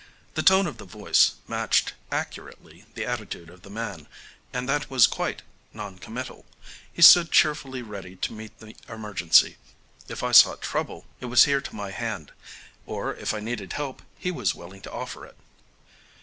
The tone of the voice matched accurately the attitude of the man, and that was quite non committal. He stood cheerfully ready to meet the emergency. If I sought trouble, it was here to my hand; or if I needed help he was willing to offer it.